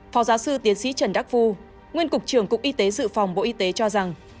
phó giáo sư tiến sĩ trần đắc phu nguyên cục trưởng cục y tế dự phòng bộ y tế cho rằng